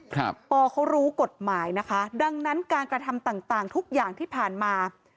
ปอเขารู้กฎหมายนะคะดังนั้นการกระทำต่างต่างทุกอย่างที่ผ่านมา